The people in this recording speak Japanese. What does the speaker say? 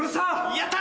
やった！